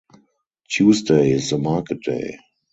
Tuesday is the market day.